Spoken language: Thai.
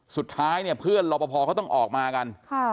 สุดท้ายเพื่อนรอบปอภาเขาต้องออกมากัน